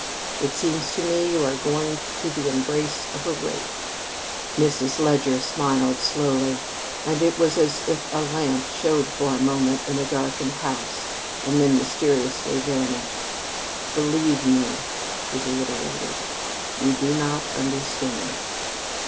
It seems to me you are going to the embrace of a wraith." Mrs. Leger smiled slowly, and it was as if a lamp showed for a moment in a darkened house and then mysteriously vanished. "Believe me," she reiterated, "you do not understand."